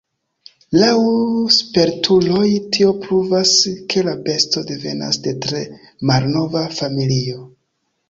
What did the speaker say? Laŭ spertuloj tio pruvas, ke la besto devenas de tre malnova familio.